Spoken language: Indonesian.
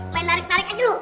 main larik larik aja lu